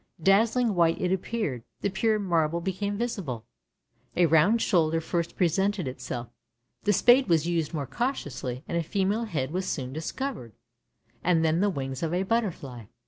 Dazzling white it appeared — the pure marble became visible. A round shoulder first presented itself; the spade was used more cautiously, and a female head was soon discovered, and then the wings of a butterfly.